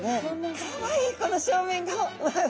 かわいいこの正面顔！